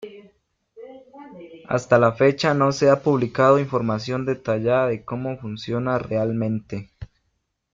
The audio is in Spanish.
Hasta la fecha, no se ha publicado información detallada de cómo funciona realmente.